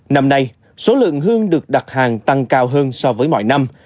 năm nay số lượng hương được đặt hàng tăng cao hơn so với mọi năm